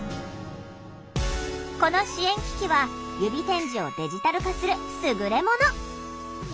この支援機器は指点字をデジタル化する優れもの。